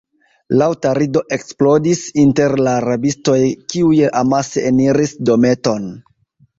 Laŭta rido eksplodis inter la rabistoj, kiuj amase eniris dometon.